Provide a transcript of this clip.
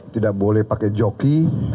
tidak boleh pakai joki